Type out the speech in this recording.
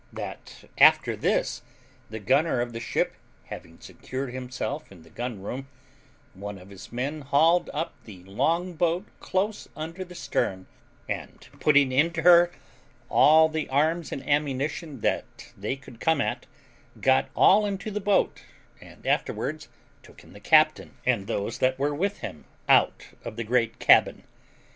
That, after this, the gunner of the ship having secured himself in the gun room, one of his men hauled up the long boat close under the stern, and putting into her all the arms and ammunition they could come at, got all into the boat, and afterwards took in the captain, and those that were with him, out of the great cabin.